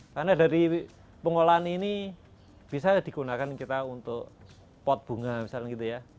karena dari pengolahan ini bisa digunakan kita untuk pot bunga misalnya gitu ya